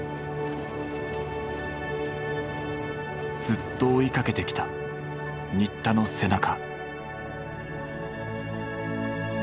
ずっと追いかけてきた新田の背中。